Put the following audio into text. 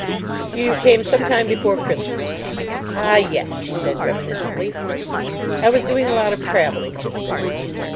"You came some time before Christmas." "Ah, yes," he said reminiscently. "I was doing a lot of travelling just then."